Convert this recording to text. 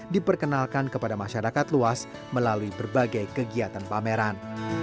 diperkenalkan kepada masyarakat luas melalui berbagai kegiatan pameran